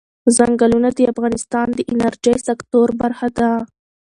ځنګلونه د افغانستان د انرژۍ سکتور برخه ده.